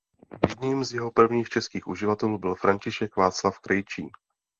Jedním z jeho prvních českých uživatelů byl František Václav Krejčí.